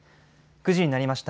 ９時になりました。